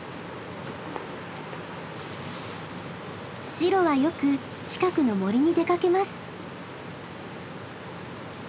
シロはよく近くの森に出かけます。